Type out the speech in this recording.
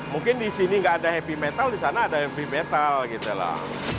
mungkin di sini tidak ada heavy metal di sana ada heavy metal gitu loh